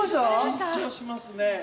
緊張しますね。